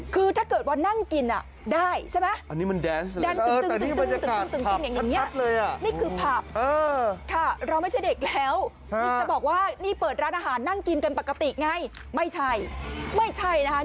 คือถ้าเกิดว่านั่งกินได้ใช่ไหม